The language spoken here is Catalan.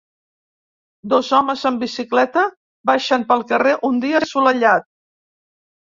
Dos homes en bicicleta baixen pel carrer un dia assolellat.